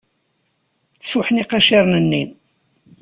Ttfuḥen iqaciren-nni.